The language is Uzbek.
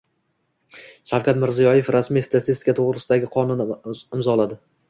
Shavkat Mirziyoyev “Rasmiy statistika to‘g‘risida”gi qonunni imzoladi